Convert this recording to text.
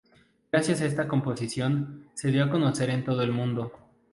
Gracias a esta composición, se dio a conocer en todo el mundo.